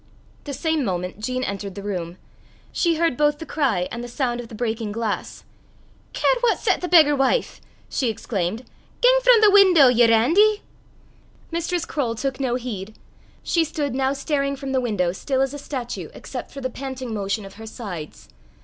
The same moment Jean entered the room. She heard both the cry and the sound of the breaking glass. "Care what set the beggar wife!" she exclaimed. "Gang frae the window, ye randy." Mistress Croale took no heed. She stood now staring from the window still as a statue except for the panting motion of her sides.